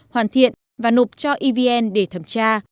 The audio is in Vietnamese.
hoàn thiện và nộp cho evn để thẩm tra